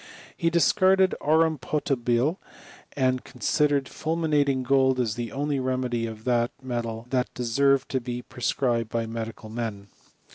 He discarded aurum jjotabile, and considered ful minating gold as the only remedy of that metal that deserved to be prescribed by medical men.